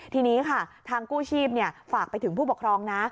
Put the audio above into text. ทีนี้ค่ะทางกู้ชีพฝากไปถึงผู้ปกครองนะ